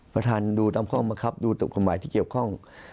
ประธานดูตามข้อบังคับดูกฎหมายที่เกี่ยวข้อง